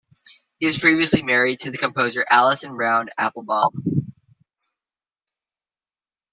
He was previously married to the composer Allyson Brown Applebaum.